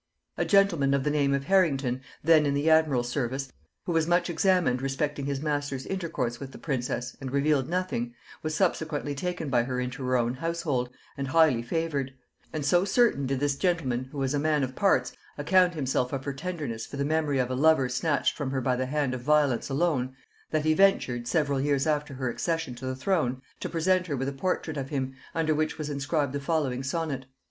A gentleman of the name of Harrington, then in the admiral's service, who was much examined respecting his master's intercourse with the princess, and revealed nothing, was subsequently taken by her into her own household and highly favored; and so certain did this gentleman, who was a man of parts, account himself of her tenderness for the memory of a lover snatched from her by the hand of violence alone, that he ventured, several years after her accession to the throne, to present her with a portrait of him, under which was inscribed the following sonnet.